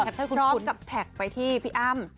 ซ้อมกลับแท็กไปพี่อ้าม